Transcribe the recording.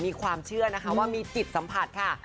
มีความเชื่อนะคะว่ามีจิตสัมผัสค่ะ